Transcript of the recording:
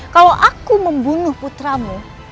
kalau aku membunuh putramu